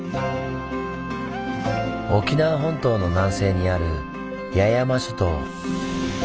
沖縄本島の南西にある八重山諸島。